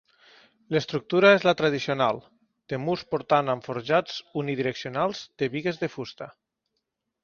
L'estructura és la tradicional de murs portants amb forjats unidireccionals de bigues de fusta.